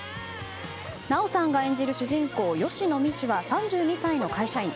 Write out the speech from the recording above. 奈緒さんが演じる主人公、吉野みちは３２歳の会社員。